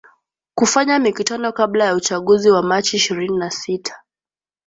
kufanya mikutano kabla ya uchaguzi wa machi ishirini na sita